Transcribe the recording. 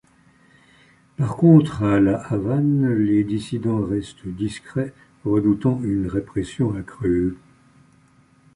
Par contre à La Havane les dissidents restent discret redoutant une répression accrue.